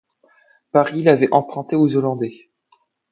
Paris l’avait emprunté aux Hollandais.